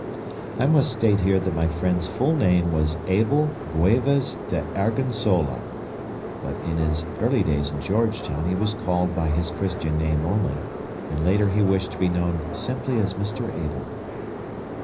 I must state here that my friend's full name was Abel Guevez de Argensola, but in his early days in Georgetown he was called by his Christian name only, and later he wished to be known simply as "Mr. Abel."